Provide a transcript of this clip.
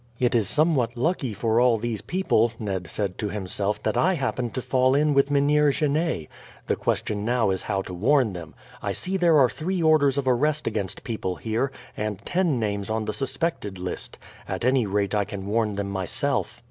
"It is somewhat lucky for all these people," Ned said to himself, "that I happened to fall in with Mynheer Genet. The question now is how to warn them. I see there are three orders of arrest against people here, and ten names on the suspected list. At any rate I can warn them myself."